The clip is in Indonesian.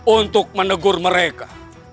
untuk menegur mereka